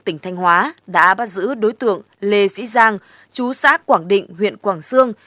tỉnh thanh hóa đã bắt giữ đối tượng lê sĩ giang chú xã quảng định huyện quảng sương